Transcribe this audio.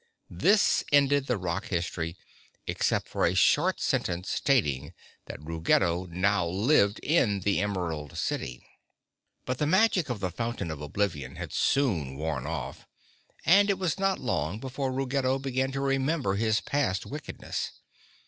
This ended the rock history, except for a short sentence stating that Ruggedo now lived in the Emerald City. But the magic of the Fountain of Oblivion had soon worn off and it was not long before Ruggedo began to remember his past wickedness.